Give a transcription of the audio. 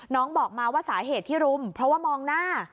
บอกมาว่าสาเหตุที่รุมเพราะว่ามองหน้า